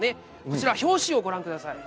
こちら表紙をご覧下さい。